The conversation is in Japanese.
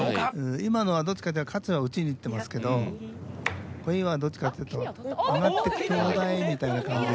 今のはどっちかっていったら勝は打ちにいってますけど小祝はどっちかっていうと曲がってちょうだいみたいな感じで。